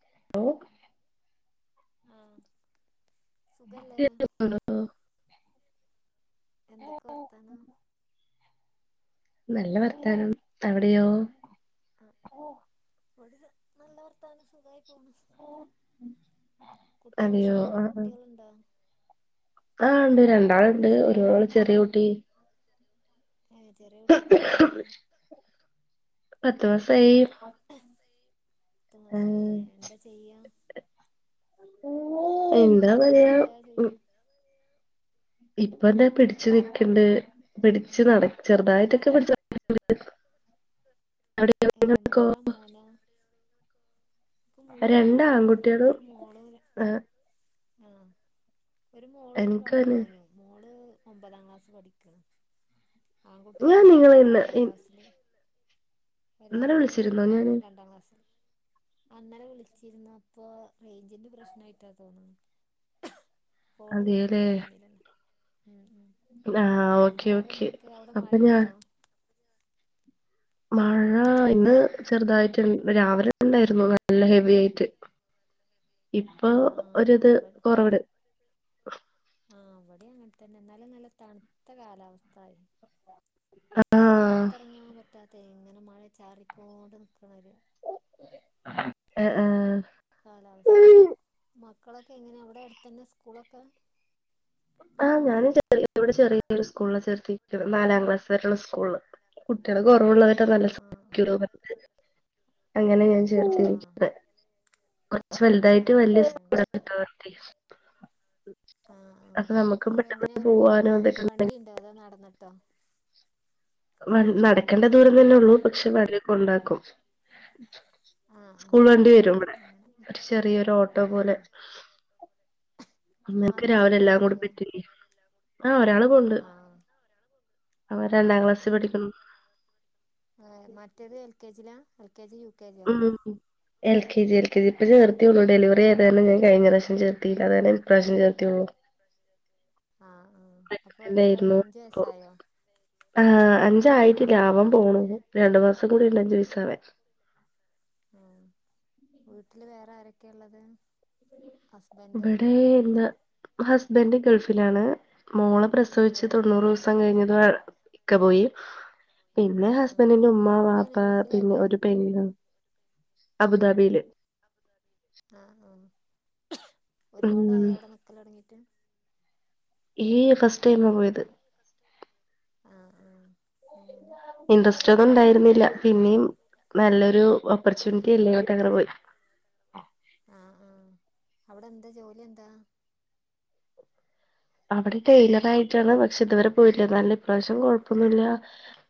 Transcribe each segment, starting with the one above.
[unintelligible] ആഹ് സുഖല്ലേ ആണല്ലോ എന്തൊക്കെ വർത്താനം നല്ല വർത്താനം അവിടെയോ ആഹ് ഇവിടെയും നല്ല വർത്തനം സുഖായി പോണ് കുട്ടികള് അതെയോ സ്കൂളിപോണെ കുട്ടികളിണ്ടാ ആഹ് ഇണ്ട് രണ്ടാള് ണ്ട് ഒരാള് ചെറിയ കുട്ടി ഏഹ് ചെറിയ കുട്ടിക്ക് എത്രായി പത്തു മാസായി പത്തു ആ, മാസായി ഏഹ് എന്താ ചെയ്യാ കുട്ടി എന്താ പറയാ ചെയ്യാ ഉം ചോയ്ക്ക ഇപ്പ ദേ പിടിച്ചു നിക്ക്ണ്ട് പിടിച്ചു നട ആഹ് ചെറുതായിട്ടൊക്കെ പിടിച്ചു നട [unintelligible] അവിടെയോ? ഏഹ് നിങ്ങൾക്കോ മോളാ മോനാ ഇക്ക് രണ്ട് മൂന്നാള് ആൺകുട്ടികളും ഒരു മോള് ഏഹ് ആഹ് ഒരു മോളു രണ്ട് എനിക്കന്നെ മോനും മോള് ഒമ്പതാം ക്ലാസ് പഠിക്ക ഞാൻ ആൺകുട്ടികള് നിങ്ങളെ ഒരാള് ഇന്ന് ആറാം ക്ലാസ്സില് ഇന്നലെ ഒരാള് വിളിച്ചിരുന്നോ ഞാന് രണ്ടാം ക്ലാസ്സില് ആഹ് ഇന്നലെ വിളിച്ചിരിന്നു അപ്പൊ റേഞ്ചിന്റെ പ്രശ്നായിട്ടാ തോന്ന ഫോണ് അതേല്ലേ കിട്ടണണ്ടായിരുന്നില്ലല്ലൊ ഉം ഉം ആഹ് ഓക്കെ ഓക്കെ വേറെന്തൊക്കെ അവിടെ മഴ അപ്പൊ ഞാൻ ണ്ടോ മഴ ഇന്ന് ചെറുതായിട്ട് രാവിലെ ഉണ്ടായിരുന്നു നല്ല ഹെവി ആയിട്ട് ഇപ്പൊ ഒരു ആഹ് ഇത് ഇവ കൊറവിട് ആഹ് ഇവിടെ അങ്ങനൻ തന്നെ ന്നാലും നല്ല തണുത്ത കാലാവസ്ഥായി ആണോ പൊറത്തെറങ്ങാൻ പറ്റാത്ത ഇങ്ങനെ മഴ ചാറിക്കൊണ്ട് നിക്കണൊരു ആഹ് ആ കാലാവസ് മക്കളൊക്കെ എങ്ങനെയാ അവിടെ അടുത്തന്നെയാ സ്ക്കൂളൊക്കെ ആ ഞാനും [unintelligible] ഇവിടെ ചെറിയൊരു സ്കൂള് ചേർത്തിട്ട് നാലാം ക്ലാസ്സ് വരെയുള്ള സ്ക്കൂള് കുട്ടികള് കൊറവുള്ളത് ആഹ് ആഹ് [unintelligible] അങ്ങനെ ഞാൻ ആഹ് ചേർത്തിരിക്കുന്നെ കൊറച്ചു വലുതായിട്ട് ആഹ് വല്ല്യ സ് അങ്ങനെ അങ്ങനെ [unintelligible] ആഹ് ആഹ് നമുക്കും അപ്പൊ എങ്ങനെ പെട്ടെന്ന് അവര് പോവാനോ പോവാ വണ്ടിയിണ്ടോ അതോ നടന്ന്ട്ടോ വന് നടക്കേണ്ട ദൂരം വണ്ടി തന്നെ ഉള്ളൂ പക്ഷെ വ [unintelligible] കൊണ്ടാക്കും ആഹ് ആഹ് സ്കൂൾ വണ്ടി വരും ഇവിടെ അങ്ങനെ ഒരു ചെറിയൊരു ഓട്ടോ ആഹ് പോലെ ആഹ് ഇങ്ങൾക്ക് മദ്രസേ രാവിലെ എല്ലാം കൂടി പോണില്ലേ പറ്റില്ലേ ആ ഒരാള് പോവുണ്ട് ആഹ് അവൻ രണ്ടാം ക്ലാസ്സിൽ പഠിക്കുന്നു ഏ മറ്റേത് എൽ കെ ജി ലാ L K G U K ജിയോ ഉം എൽ കെ ജി എൽകെജി ഇപ്പ ചേർത്ത്യൊള്ളൂ ഡെലിവറി ആയതാര്ണം ഞാൻ കഴിഞ്ഞ പ്രാവ്ശ്യം ചേർത്തീല്ലാ അതായത് ഇപ്രാവ്ശ്യം ചേർത്ത്യൊള്ളൂ ആഹ് ആഹ് അപ്പൊ എത്രായി അഞ്ച് വയസായോ ആഹ് അഞ്ചായിട്ടില്ല ആവാൻ പോണു രണ്ട് മാസം കൂടിണ്ട് അഞ്ച് വയസ്സാവാൻ ആഹ് വീട്ടിൽ വേറാരക്കെള്ളത് ബടെ ന്നാ ഹസ്ബൻഡ് ഗൾഫിലാണ് മോളെ പ്രസ സവിച്ച് നമ്മള് തൊണ്ണൂറോവസം കഴിഞ്ഞത് ഇക്ക പോയി പിന്നെ പോയി ആഹ് ആഹ് ഹസ്ബൻ്റിന്റെ ഉമ്മ വാപ്പ എവിടെയാണ് ഗൾഫില് പിന്നെ എവിടെയാ ഒരു പെണ്ണ് അബുദാബീൽ ആഹ് ആഹ് ഉം ഒരുപാടായോ അവ്ടെ നിക്കലൊട്ങ്ങീട്ട് ഈ ഫസ്റ്റ് ടൈമാ പോയത് ആഹ് ആഹ് അങ്ങനെ ഇൻട്രസ്റ്റ് ട് ണ്ടായ്ര്ന്നില്ല പിന്നെയും നല്ലൊരു ഓപ്പർച്ചൂണിറ്റി അല്ലേറ്ഞ്ഞ്ട്ട്ങ്ങനെ പോയി ആഹ് ആഹ് അവിടെന്താ ജോലി എന്താ അവിടെ ടെയിലറായിട്ടാണ് പക്ഷെ ഇതുവരെ പോയില്ല എന്നാലും ഇപ്രാവിശ്യം കൊഴ്പ്പൊന്നുല്ല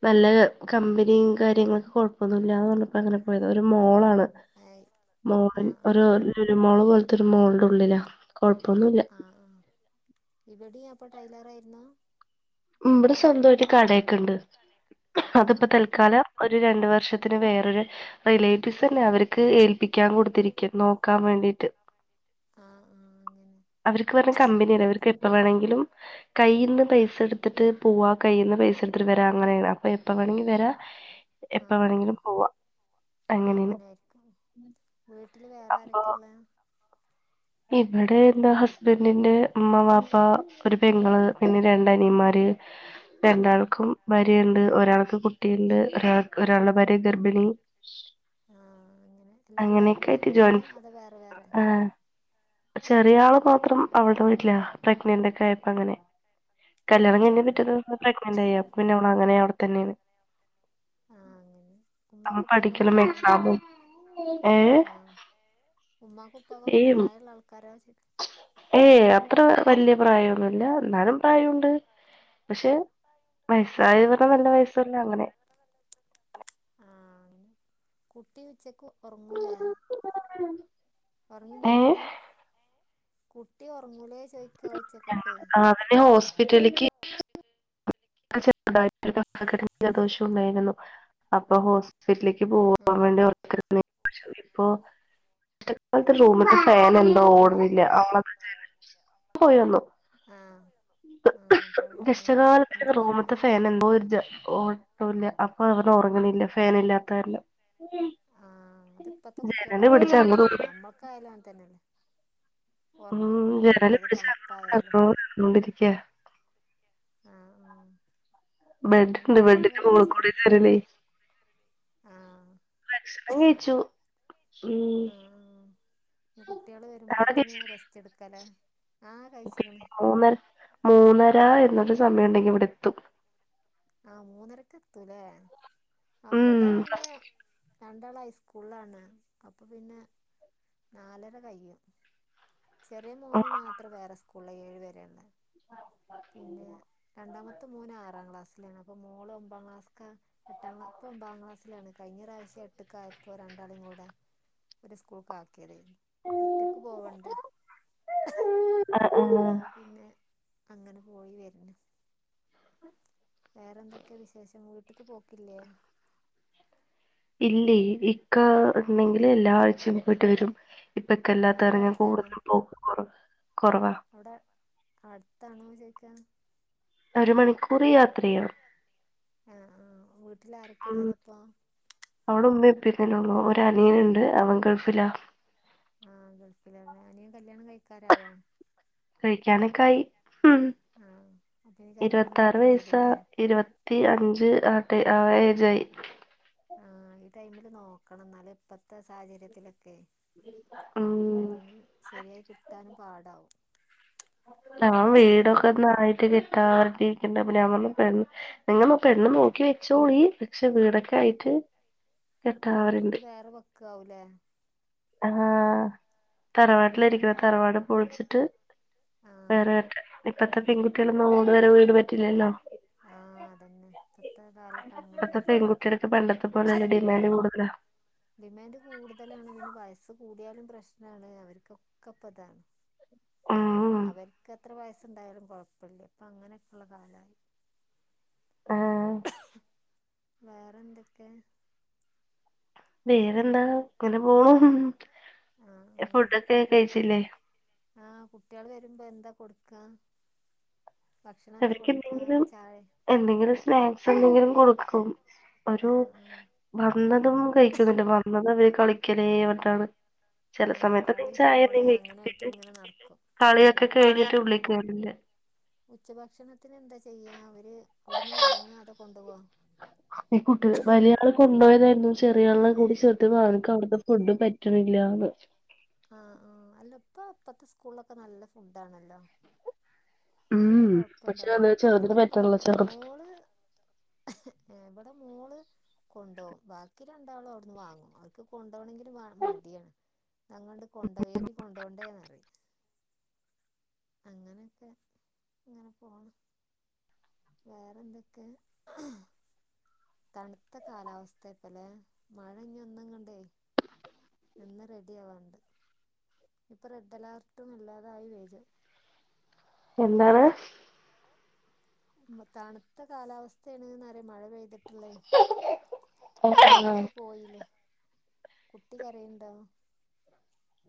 നല്ല കമ്പനിം കാര്യങ്ങളൊക്കെ കൊഴ്പ്പൊന്നുല്ലാർഞ്ഞപ്പങ്ങനെ പോയതാ ഒരു മോളാണ് ആയി മോൾ ആഹ് ഒരു ആഹ് ലുലു മോള് പോല്ത്തൊരു മോൾടുള്ളിലാ കൊഴ്പ്പൊന്നുല്ല ഉള്ളിലാ ആഹ് ഹാ ഇവടീം അപ്പം ടൈലറായ്ര്ന്ന് ഉം ഇബടെ സ്വന്തായ് കടേക്കെണ്ട് ആഹ് ആഹ് ആഹ് അത്പ്പതൽക്കാലം ഒര് രണ്ട് വർഷത്തിന് വേറൊരു റിലേറ്റീവ്സന്നെ അവർക്ക് ഏൽപ്പിക്കാൻ കൊടുത്തിരക്കാ നോക്കാൻ വേണ്ടീട്ട് ആഹ് ആഹ് അങ്ങനെ അവർക്ക് പറ്ഞ്ഞാ കമ്പനി അല്ലേ അവർക്ക് എപ്പ വേണെങ്കിലും കയ്യിന്ന് പൈസെട്ത്ത്ട്ട് പോ പോവാ കയ്യ്ന്ന് പൈസെട്ത്ത്ട്ട് വെരാ അങ്ങനേണ് അപ്പം എപ്പവേണങ്കിൽ വെരാ ആഹ് ആഹ് എപ്പവേണെങ്കിലും പോവാ ആഹ് അങ്ങനെയാണ് അങ്ങനേര്ക്കും വീട്ടില് അപ്പൊ വേറാരെക്കെള്ളേ ഇവിടെ എൻ്റെ ഹസ്ബൻ്റിന്റെ ഇമ്മ, വാപ്പ പ്പാ ഒരു പെങ്ങള് പിന്നെ രണ്ട് അനിയന്മാര് ആഹ് രണ്ടാൾക്കും ഭാര്യ ഉണ്ട് ഒരാൾക്ക് കുട്ടിയുണ്ട് ഒരാൾക്ക് ഒരാള്ടെ ഭാര്യ ഗർഭിണി ആഹ് അങ്ങനെ അല്ല അങ്ങനെ എല്ലാരും ഒക്കെ കൂടെ ഒരു ആയ്ട്ട് വീട്ടിലാ ജോൻസ് അതോ വേറെ വേറെ ആഹ് ചെറിയ ആൾക്കൊ ത്രം അവള്ടെ വീട്ലാ പ്രെഗ്നന്റൊക്കായപ്പങ്ങനെ ആഹ് കല്യാണം കഴ്ഞ്ഞ് അങ്ങനെ പിറ്റേ ദിവസ പ്രെഗ്നെൻ്റായി അപ്പപിന്നെ അവളങ്ങനെ അവ്ടെത്തെന്നേണ് ആഹ് അങ്ങനെ അവൻ ഉമ്മാക്കും ഉപ്പാക്കും പഠിക്കലും പ്രായണ്ടോ എക്സാമും ഏഹ് ആഹ് ഉമ്മാക്കും ഉപ്പാക്കൊക്കെ പ്രായെള്ളാൾക്കാരാ ചോദിക്കാ ഏയ് അത്ര വല്ല്യ പ്രായൊന്നും ഇല്ല എന്നാലും പ്രായണ്ട് ണ്ട് പക്ഷെ ആഹ് വയസ്സായവരെ നല്ല ആഹ് വയസ്സല്ല അങ്ങനെ ആഹ് കുട്ടി ഉച്ചക്ക് ഒറങ്ങൂലേ [unintelligible] ഉറങ്ങി ഏ നീറ്റതാ കുട്ടി ഉറങ്ങൂലേ ചോയ്ക്കാ ഞങ്ങക്ക് ആഹ് അവനെ ഹോസ്പിറ്റെലിക്ക് [unintelligible] ജൽദോഷും [unintelligible] അപ്പൊ ഹോസ് ഹോസ്പിറ്റലിലേക്ക് പോകാൻ ആഹ് വേണ്ടി [inaudible] ഇപ്പൊ [unintelligible] റൂമിൽത്തെ ആഹ് ഫേന് പോയി എന്തോ വന്നോ ഓട്ണില്ല അവളെ പോയി വന്നു ആഹ് ആഹ് പോയി വന്ന് എന്താ എന്താ കഷ്ടകാലത്തിന് പറഞ്ഞ് റൂമ്ത്തെ ഡോക്ടർ ഫേനെന്തോ [unintelligible] ണൂലാ അപ്പം ഇവന് ഒറങ്ങ്ണില്ല ഫേനില്ലാത്ത കാരണം ആഹ് അത് ഇപ്പത്തെ ജനല് കുട്ട്യാളൊക്കെ പിടിച്ച് അങ്ങനത്തന്നെ അങ്ങോട്ടും ഞമ്മക്കായാലും അങ്ങൻ തന്നെല്ലേ ഉം ഉറക്കം കിട്ടൂലല്ലോ ജനല് ഏത് പിടിച്ച് അങ്ങോട്ടും തണുപ്പായാലും ഇങ്ങോട്ടും നടന്നോണ്ടിരിക്ക ആഹ് ആഹ് ഇങ്ങനെ ബെഡ്ണ്ട് ബെഡിന്റെ ഭക്ഷണൊക്കെ മോളിൽ കഴിച്ചാ കൂടെ കേറ്ണേ ആഹ് ഭക്ഷണം കഴിച്ചു ഉം ആഹ് ഇഞ്ഞ് കുട്ട്യാള് അവിടെ വരുമ്പോത്തിന് ഞൻ കഴിച്ചില്ലേ റെസ്റ്റ് എടുക്കല്ലേ ആഹ് കഴിച്ച്ക്ണ് [unintelligible] മൂന്നര എന്നൊരു സമയം ഉണ്ടെങ്കിൽ ഇവിടെ എത്തും ആഹ് മൂന്നരക്കെത്തുംല്ലേ ആ ഇവടെ ഉം പിന്നെ രണ്ടാൾ ഹൈസ്കൂളാണ് അപ്പൊ പിന്നെ നാലര കയ്യും ചെറിയ മോന് ആഹ് മാത്രം വേറെ സ്കൂളില ഏഴു വരെള്ള പിന്നെ രണ്ടാമത്തെ മോന് ആറാം ക്ലാസ്സിലാണ് അപ്പൊ മോള് ഒമ്പാം ക്ലാസ്ക്ക എട്ടാം ക്ലാ ഇപ്പൊ ഒമ്പാം ക്ലാസിലാണ് കഴിഞ്ഞ പ്രാവശ്യം എട്ട്ക്കായപ്പോ രണ്ടാളേും കൂടെ ഒരു സ്കൂൾക്ക് ആക്കിയതെന്നു ഒറ്റക്ക് പോവണ്ടേ ആഹ് അപ്പൊ പിന്നെ അങ്ങനെ പോയി വര്ന് വേറെന്തൊക്കെയാ വിശേഷം വീട്ട്ക്ക് പോക്കില്ലേ ഇല്ലേ ഇക്ക ഉണ്ടെങ്കിൽ എല്ലാ ആഴ്ച്ചയും പോയിട്ട് വരും ഇപ്പം ഇക്ക ഇല്ലാത്ത അവിടെ കാരണം അടുത്താണോ കൂടുതലും പോക്ക് കുറവാ അവിടെ അടുത്താണോ ചോയ്ക്കാ ഒരു മണിക്കൂർ കുറേ യാത്രയാണ് ആ ആ വീട്ടിൽ ആരൊക്കെ ഉം ഉള്ളതപ്പോ അവടെ ഉമ്മയും ഉപ്പയും തന്നെള്ളൂ ഒര് അനിയനുണ്ട് അവൻ ഗൾഫിലാണ് ആഹ് ഗൾഫിലാല്ലേ അനിയൻ കല്യാണം കഴിക്കാറായാ കഴിക്കാനൊക്കെ ആയി ആ അപ്പൊ ഇനി കല്യാണം ഇരുപത്താറ് നോക്കേണ്ടി വയസ വരൂല്ലേ ഇരുപ പത്തി അഞ്ച് ആട്ട ആ ഏജായി ആഹ് ഈ ടൈമില് നോക്കണം എന്നാലേ ഇപ്പത്തെ സാഹചര്യത്തിലൊക്കെ ഉം അല്ലെങ്കി ശരിയായി കിട്ടാനും പാടാവും ആൻ വീടൊക്കെ ഒന്നായിട്ട് കെട്ടാർഞ്ഞിട്ടിരിക്ക്ണ്ട് അപ്പം ഞാൻ പർഞ്ഞു പെണ്ണ് നിങ്ങമ്മ പെണ്ണ് നോക്കി വെച്ചോളി പക്ഷെ വീടൊക്കെ ആയിട്ട് ആഹ് കെട്ടാവരുണ്ട് വീട് വേറെ വെക്ക ആവൂലേ ആഹ് തറവാട്ടില ഇരിക്കണ തറവാട് പൊളിച്ചിട്ട് ആ ആ വേറെ കെട്ട ഇപ്പത്തെ പെൺകുട്ടികളൊന്നും ഓട് വരെ വീട് പറ്റില്ലല്ലോ ആഹ് അതന്നെ ഇപ്പത്തെ കാലത്ത് ഇപ്പത്തെ അങ്ങനെയാണ് [unintelligible] പണ്ടത്തെ പോലെ അല്ലെടി ഡിമാൻഡ് കൂടുതലാ ഡിമാൻഡ് കൂടുതലാണ് പിന്നെ വയസ് കൂടിയാലും പ്രശ്നാണ് അവരിക്കൊക്കെ ഇപ്പൊതാണ് ഉം അവർക്ക് എത്ര വയസുണ്ടായാലും കൊഴപ്പമില്ലേ അപ്പൊ അങ്ങനെയൊക്കെള്ള കാലായി ആഹ് വേറെന്തൊക്കെ വേറെന്താ ഇങ്ങനെ പോകുന്നു ആഹ് ആഹ് ഫുഡൊക്കെ ഈ കു കഴിച്ചില്ലേ ആഹ് കുട്ട്യാള് വരുമ്പോ എന്താ കൊടുക്കാ ഭക്ഷണം എന്താ അവർക്ക് കൊടുക്ക എന്തെങ്കിലും ചായ എന്തെങ്കിലും സ്നാക്സ് എന്തെങ്കിലും കൊടുക്കും ഒരു ആ ആ വന്നതും കഴിക്കൊന്നില്ല വന്നത് അവര് കളിക്കലേ വർട്ടാണ് ആ ചെല സമയത്തൊക്കെ കളി ചായ ഫോണ് അങ്ങനായിട്ട് [unintelligible] ഇങ്ങനെ നടക്കും ഉം കളിയൊക്കെ കഴിഞ്ഞിട്ട് ഉള്ളിക്കേറ്ന്നെ [inaudible] ഉച്ചഭക്ഷണത്തിന് എന്താ ചെയ്യാ അവര് അവിടുന്ന് വാങ്ങ അതോ കൊണ്ടൊവോ ഈ കുട്ടിക വലിയ ആള് കൊണ്ടു പോയതായിരുന്നു ചെറിയ ആനെകൂടി ചേർത്ത് വാൻക്ക് അവിടുത്തെ ഫുഡ് പറ്റണില്ലാന്ന് ആഹ് ആഹ് അല്ല ഇപ്പ ഇപ്പത്തെ സ്കൂളിലൊക്കെ നല്ല ഫുഡ് ആണല്ലോ ഇപ്പൊ പിന്നെ പക്ഷെ കൊഴപ്പണ്ടല്ല അത് ഇവിടെ ചെറുതിന് മക്കളൊക്കെ പറ്റണില്ല ചെറുത് മോള് ഏഹ് ഇവിടെ മോള് കൊണ്ടൊകും ബാക്കി രണ്ടാളും അവിടുന്ന് വാങ്ങും അവ ക്ക് കൊണ്ടു പോണങ്കിൽ വ മടിയാണ് അങ്ങൊണ്ട് കൊണ്ടയേറ്റി കൊണ്ടൊണ്ടേന്നറി അങ്ങനെക്കെ അങ്ങനെ പോണം വേറെന്തൊക്കെ തണുത്ത കാലാവസ്ഥപ്പലെ മഴ ഇനി ഒന്നങ്ങണ്ടേ ഇന്ന് റെഡി ആവാണ്ട് ഇപ്പൊ റെഡ് അലർട്ടും അല്ലാതായി വേജും എന്താണ് തണുത്ത കാലാവസ്ഥ ആണ്ന്ന്പറയാ മഴ പെയ്തി ട്ടിള്ള വെയിലൊക്കെ പോയില്ലേ കുട്ടി കരയുണ്ടോ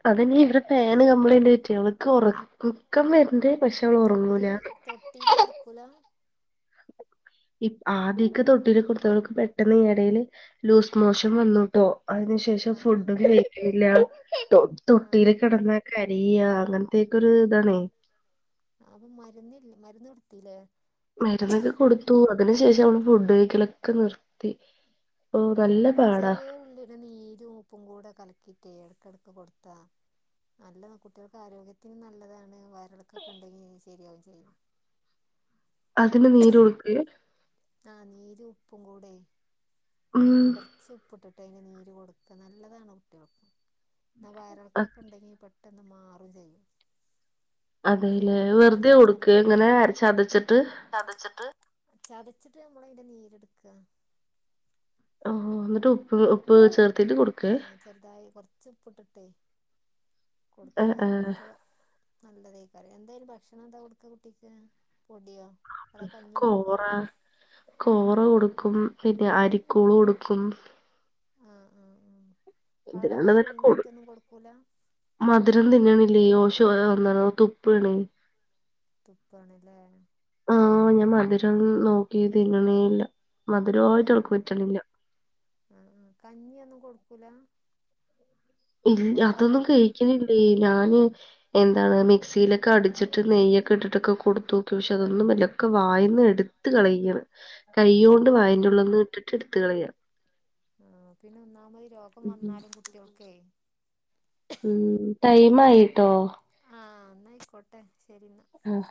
അതനി ഇവിടെ ഫാൻ കമ്പ്ലൈന്റ് ആയിട്ട് അവക്ക് ഉറക്കം വരണ്ട് പക്ഷെ അവള് തൊട്ടി ഉറങ്ങൂല. തൊട്ടിയില് കിടക്കൂല ഇ ആദ്യക്ക തൊട്ടില് കൊടുത്തൾക്ക് പെട്ടെന്ന് ഇടയില് ലൂസ് മോഷൻ വന്നുട്ടോ അതിനുശേഷം ആഹ് ആഹ് ഫുഡും കഴിക്കിണില്ല തൊ തൊട്ടിൽ ആഹ് കിടന്ന കരയ അങ്ങനത്തക്കൊ ഒരു ഇതാണേ അപ്പൊ മരുന്നിൽ മരുന്ന് കൊടുത്തില്ലേ മരുന്നൊക്കെ കൊടുത്തു അതിനു ശേഷം അവള് ഫുഡ് കഴിക്കലൊക്കെ നിർത്തി ഓ നല്ല ആഹ് പാടാ ചെറിയ ഉള്ളീടെ നീരും ഉപ്പും കൂടെ കലക്കിട്ടേ ഇടക്കിടക്ക് കൊടുത്താ നല്ലതാണ് കുട്ടികൾക്ക് ആരോഗ്യത്തിനും നല്ലതാണ് വയറിളക്കൊക്കെ ഉണ്ടെങ്കിൽ ശരിയാകയും ചെയ്യും അതിന് നീറോട്ക്കെ ആഹ് നീര് ഉപ്പും കൂടെ ഉം കുറച്ചു ഉപ്പ്ട്ടിട്ട് അതിന് നീര് കൊടുക്കുക നല്ലതാണ് കുട്ടികൾക്ക് എന്ന വയറിൾക്കൊക്കെ ഉണ്ടെങ്കി പെ പെട്ടന്ന് മാറും ചെയ്യും ചെറിയ അതെല്ലേ ഉള്ളിയുടെ വെറുതെ കൊടുക്ക ഇങ്ങനെ ച്ചതച്ചിട്ട് ചതച്ചിട്ട് ചതച്ചിട്ട് നമ്മലയ്ന്റെ നീരെടുക്കുക ആഹ് ആഹ് എന്നിട്ട് ഉപ്പ് ഉപ്പ് ചേർത്തീട്ട് കൊടുക്കാ ആഹ് ചെറുതായി കുറച്ച് ഉപ്പ് ഇട്ടിട്ടേ ഏ കൊടുക്കുക ഏ അപ്പൊ നല്ലതായിക്കാരം എന്തായാലും ഭക്ഷണം എന്താ കൊടുക്ക കുട്ടിക്ക് പൊടിയോ അതൊക്കെ കഞ്ഞി കൊടുക്കോ കോറ കോറ കൊടുക്കും പിന്നെ അരിക്കൂള് കൊടുക്കും ആഹ് ആഹ് ആഹ് പഴം ഇതിനാണ് തന്നെ കൊടു പുഴുങ്ങിട്ടൊന്നും കൊടുക്കൂല മധുരം തിന്നിണല്ലേ ഓശ ഒണ തുപ്പ്ണേ തുപ്പാണല്ലേ ആഹ് ഞാൻ മധുരം നോക്കി തിന്നണേല്ല മധുരമായിട്ട് അവൾക്ക് പറ്റണില്ല ആഹ് ആഹ് കഞ്ഞി ഒന്നും കൊടുക്കൂല ഇല്ല്യ അതൊന്നും കൊടുക്കാറായിട്ടില്ലേ കഴിക്കുന്നില്ലേ ഞാന് എന്താണ് മിക്സിയിലൊക്കെ അടിച്ചിട്ട് നെയ്യൊക്കെ ഇട്ടിട്ടൊക്കെ കൊടുത്തു നോക്കി പക്ഷെ അതൊന്നും പറ്റണില്ല വായന്ന് എടുത്ത് കളയാണ് കയ്യോണ്ട് വായന്റെ ഉള്ളിന്ന് ഇട്ടിട്ട് എടുത് കളയാ ആഹ് പിന്നെ ഒന്നാമത് രോഗം ഉം വന്നാലും കുട്ടികൾക്കെ ഉം ടൈം ആയിട്ടോ ആഹ് ന്നായിക്കോട്ടെ ശരിന്നാ ആഹ്